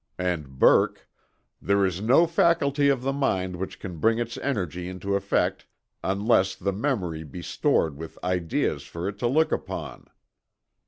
And Burke: "There is no faculty of the mind which can bring its energy into effect unless the memory be stored with ideas for it to look upon."